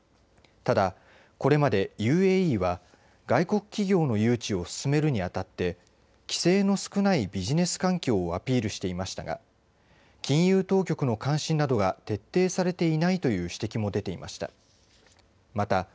ただ、これまでＵＡＥは外国企業の誘致を進めるに当たって規制の少ないビジネス環境をアピールしていましたが金融当局の監視などが徹底されていないという指摘も出ていました。